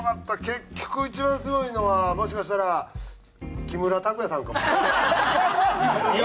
結局一番すごいのはもしかしたら木村拓哉さんかもね。